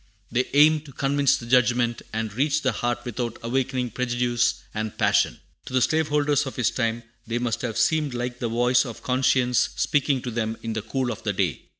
They aim to convince the judgment and reach the heart without awakening prejudice and passion. To the slave holders of his time they must have seemed like the voice of conscience speaking to them in the cool of the day.